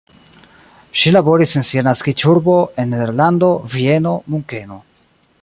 Ŝi laboris en sia naskiĝurbo, en Nederlando, Vieno, Munkeno.